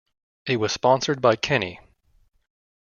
It was sponsored by Kenney.